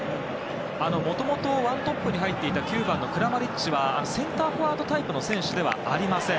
もともと１トップに入っていた９番のクラマリッチはセンターフォワードタイプの選手ではありません。